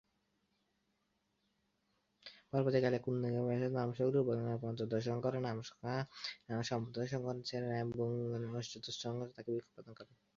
পরবর্তীকালে কুন-দ্গা'-ব্সোদ-নাম্স-ল্হুন-গ্রুব নামক পঞ্চদশ ঙ্গোর-ছেন, নাম-ম্খা'-সাংস-র্গ্যাস নামক সপ্তদশ ঙ্গোর-ছেন, শেস-রাব-'ব্যুং-গ্নাস নামক অষ্টাদশ ঙ্গোর-ছেন তাকে ভিক্ষুর শপথ দান করেন।